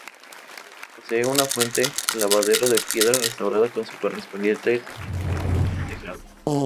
Posee una fuente-lavadero de piedra restaurada, con su correspondiente tejado.